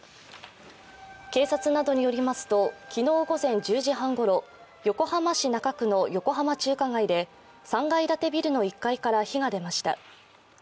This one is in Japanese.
警察などによりますと、昨日午前１０時半ごろ横浜市中区の横浜中華街で３階建てビルの１階から火が出ました。